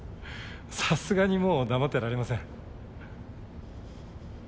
さすがにもう黙ってられません。